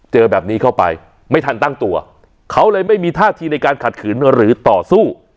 เจอแบบนี้เข้าไปไม่ทันตั้งตัวเขาเลยไม่มีท่าทีในการขัดขืนหรือต่อสู้